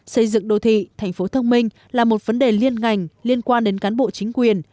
xây dựng đô thị thành phố thông minh là một vấn đề liên ngành liên quan đến cán bộ chính quyền